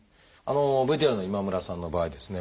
ＶＴＲの今村さんの場合ですね